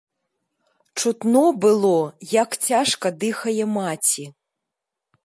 Чутно было, як цяжка дыхае маці.